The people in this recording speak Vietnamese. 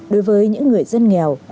đối với những người dân nghèo